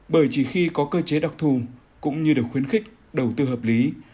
bởi chỉ khi có cơ chế đặc thù cũng như được khuyến khích đầu tư hợp lý